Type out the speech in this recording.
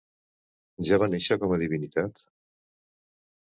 Ja va néixer com a divinitat?